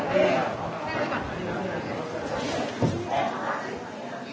ติดต่อแล้วตั้งแต่พี่